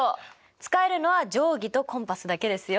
使えるのは定規とコンパスだけですよ！